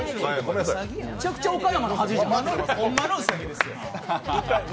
むちゃくちゃ岡山の恥じゃん。